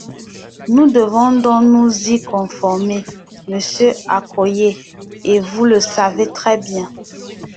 Nous devons donc nous y conformer, monsieur Accoyer, et vous le savez très bien.